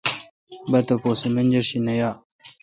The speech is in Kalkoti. با تاپوس منجرشی نہ یا۔